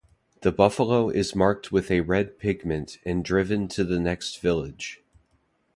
The buffalo is marked with a red pigment and driven to the next village.